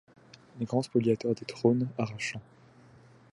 Les grands spoliateurs des trônes, arrachant